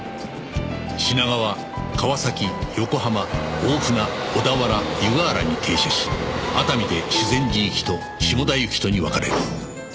品川川崎横浜大船小田原湯河原に停車し熱海で修善寺行きと下田行きとに分かれる